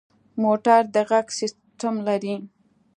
موټر د غږ سیسټم لري.